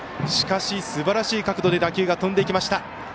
しかしすばらしい角度で打球が飛んでいきました。